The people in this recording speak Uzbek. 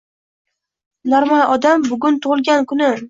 Normal odam Bugun tug'ilgan kunim!